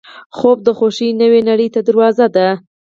خوب د خوښۍ نوې نړۍ ته دروازه ده